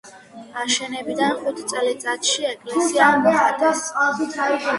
აშენებიდან ხუთ წელიწადში ეკლესია მოხატეს.